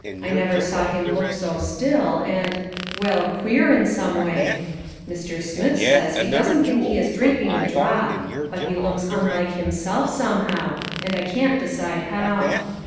I never saw him look so still, and well, queer, in some way. Mr. Smith says he doesn't think he ia drinking a drop ; but he looks unlike himself, somehow, and I can't decide how."